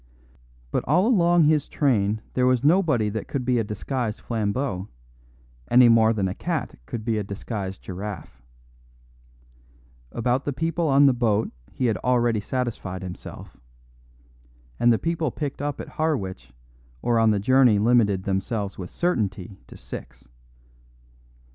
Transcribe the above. But all along his train there was nobody that could be a disguised Flambeau, any more than a cat could be a disguised giraffe. About the people on the boat he had already satisfied himself; and the people picked up at Harwich or on the journey limited themselves with certainty to six.